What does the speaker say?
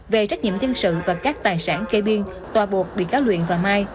về trách nhiệm tiên sự và các tài sản cây biên tòa buộc bị cáo luyện và mai